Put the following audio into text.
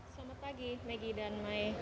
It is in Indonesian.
selamat pagi maggie dan mai